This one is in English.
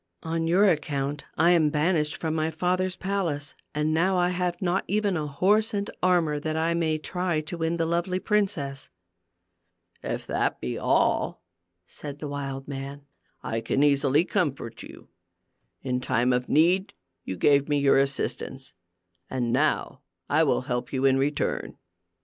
On your account I am banished from my father's palace, and now I have not even a horse and armor that I may try to win the lovely princess." "If that be all," said the wild man, "I can easily comfort you. In time of need, you gave me your assistance, and now I will help you in return."